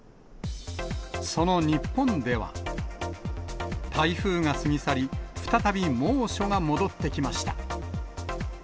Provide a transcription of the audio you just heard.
その日本では、台風が過ぎ去り、再び猛暑が戻ってきました。